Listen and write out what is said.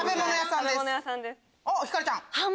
おっひかるちゃん。